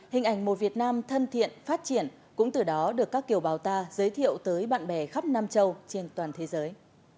hình ảnh một việt nam thân thiện phát triển cũng từ đó được các kiều bào ta giới thiệu tới bạn bè khắp nam châu trên toàn thế giới